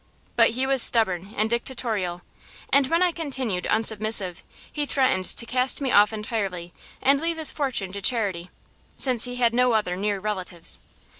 But he was stubborn and dictatorial, and when I continued unsubmissive he threatened to cast me off entirely and leave his fortune to charity, since he had no other near relatives.